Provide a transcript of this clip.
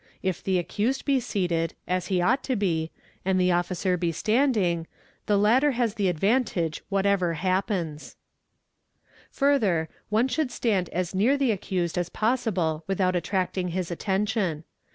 If the accused be seated—as he ought to be—and the officer be ee the latter has the advantage whatever happens. ! Further, one should stand as near the accused as possible without attracting his attention.